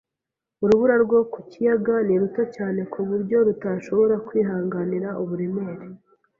Urubura rwo ku kiyaga ni ruto cyane ku buryo rutashobora kwihanganira uburemere